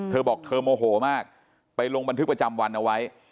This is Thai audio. เธอบอกเธอโมโหมากไปลงบันทึกประจำวันเอาไว้